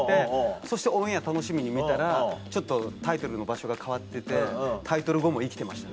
そしてオンエア楽しみに見たらちょっとタイトルの場所が変わっててタイトル後も生きてました。